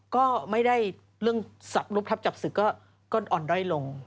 ก็ไม่ได้เรื่องรูปทับจับศึกก็อ่อนด้อยลง